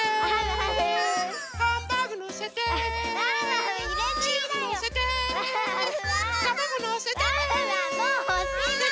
はい！